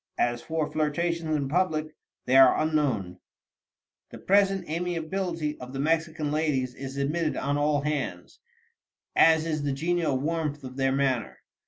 As for flirtations in public, they are unknown." The present amiability of the Mexican ladies is admitted on all hands, as is the genial warmth of their manner.